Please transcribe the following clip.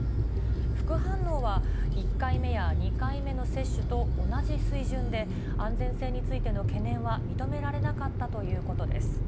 副反応は１回目や２回目の接種と同じ水準で、安全性についての懸念は認められなかったということです。